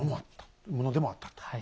ものでもあったと。